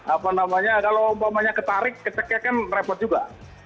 apa namanya kalau umpamanya ketarik keceknya kan repot juga